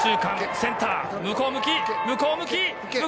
センター向向き！